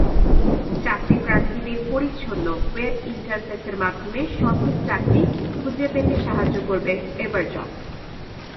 চাকরিপ্রার্থীদের পরিচ্ছন্ন ওয়েব ইন্টারফেসের মাধ্যমে সঠিক চাকরি খুঁজে পেতে সাহায্য করবে এভারজবস।